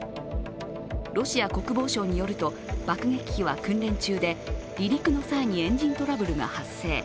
ロシア国防省によると、爆撃機は訓練中で離陸の際にエンジントラブルが発生。